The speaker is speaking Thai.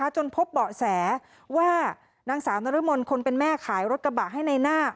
จนพบเบาะแสว่านางสาวนรมนคนเป็นแม่ขายรถกระบะให้ในหน้า